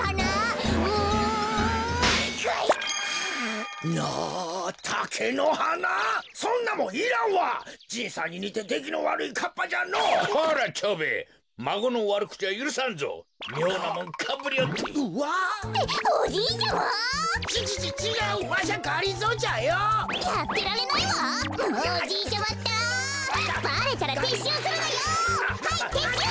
はいてっしゅう！